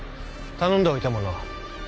頼んでおいたものは？